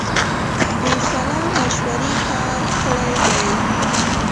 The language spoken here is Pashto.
بې سلا مشورې کار کړی دی.